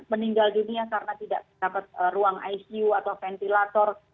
meninggal dunia karena tidak dapat ruang icu atau ventilator